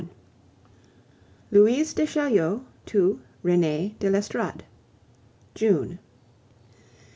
XXI. LOUISE DE CHAULIEU TO RENEE DE L'ESTORADE June.